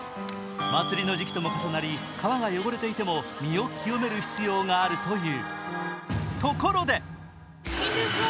祭りの時期とも重なり川が汚れていても身を清める必要があるという。